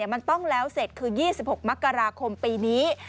มันต้องแล้วเสร็จคือ๒๖มกราคมปีนี้